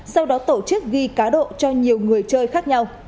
sau đó tổ chức ghi cá độ cho nhiều người chơi khác nhau